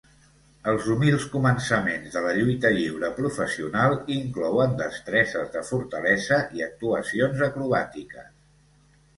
Els humils començaments de la lluita lliure professional inclouen destreses de fortalesa i actuacions acrobàtiques.